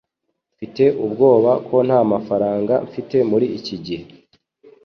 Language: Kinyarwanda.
Mfite ubwoba ko ntamafaranga mfite muri iki gihe.